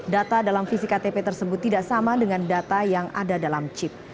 data dalam fisik ktp tersebut tidak sama dengan data yang ada dalam chip